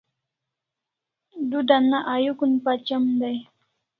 Du dana ayukun pachem dai